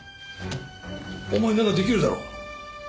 お前なら出来るだろ。